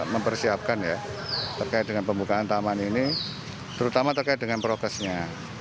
mempersiapkan ya terkait dengan pembukaan taman ini terutama terkait dengan progresnya